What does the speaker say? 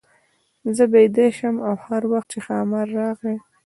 زه بېده شم او هر وخت چې ښامار راغی.